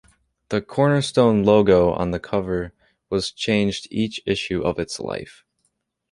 The "Cornerstone" logo on the cover was changed each issue of its life.